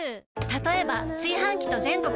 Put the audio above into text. たとえば炊飯器と全国